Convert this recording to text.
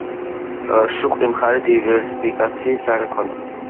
სუსტი მხარეა დივერსიფიკაციის არ ქონა.